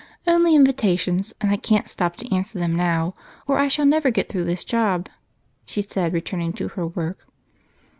"Only invitations, and I can't stop to answer them now or I shall never get through this job," she said, returning to her work.